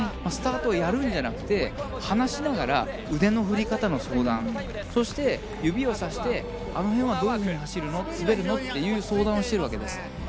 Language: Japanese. スタートをやるんじゃなくて話しながら腕の振り方の相談、指をさしてあの辺はどういうふうに走るの滑るのっていう相談をしているわけです。